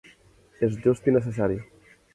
És just i necessari.